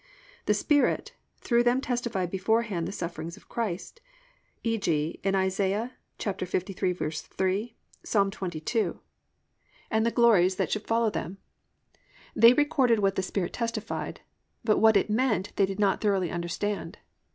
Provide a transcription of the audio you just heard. The Spirit, through them testified beforehand the sufferings of Christ (e.g. in Isa. 53:3, Ps. 22) and the glories that should follow them. They recorded what the Spirit testified, but what it meant they did not thoroughly understand.